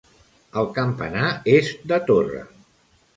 El campanar és de torre.